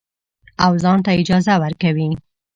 او ځان ته اجازه ورکوي.